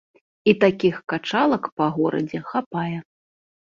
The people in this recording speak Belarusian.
І такіх качалак па горадзе хапае.